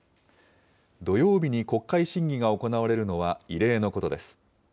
土曜日に国会審議が行われるのは異例のことです。